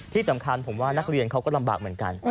ที่สำคัญผมว่านักเรียนเขาก็ลำบากเหมือนกัน